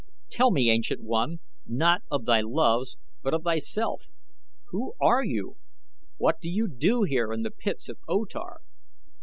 "Tell me, ancient one," he said, "not of thy loves but of thyself. Who are you? What do you here in the pits of O Tar?"